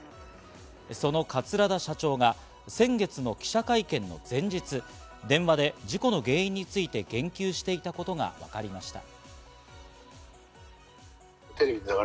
その桂田社長が先月の記者会見の前日、電話で事故の原因について言及していたことがわかりました。